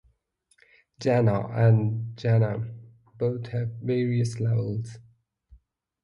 Jannah and Jahannam both have various levels.